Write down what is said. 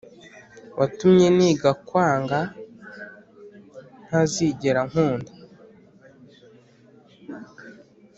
watumye niga kwanga, ntazigera nkunda.